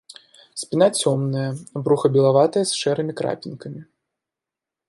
Спіна цёмная, бруха белаватае з шэрымі крапінкамі.